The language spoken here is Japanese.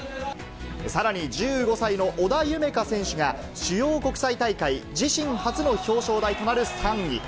さらに１５歳の小田夢海選手が主要国際大会、自身初の表彰台となる３位。